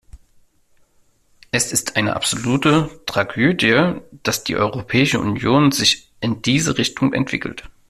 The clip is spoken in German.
Es ist eine absolute Tragödie, dass die Europäische Union sich in diese Richtung entwickelt.